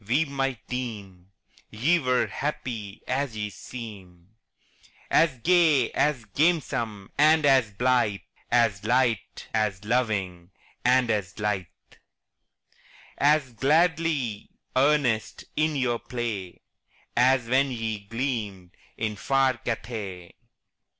we might deem Ye were happy as ye seem As gay, as gamesome, and as blithe, As light, as loving, and as lithe, As gladly earnest in your play, As when ye gleamed in far Cathay.